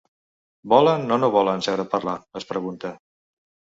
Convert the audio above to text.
Volen o no volen seure a parlar?, es pregunta.